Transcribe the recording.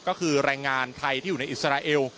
ก็คือแรงงานไทยที่อยู่ในอิสราเอล